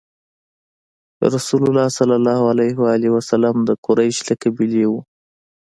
رسول الله ﷺ د قریش له قبیلې وو.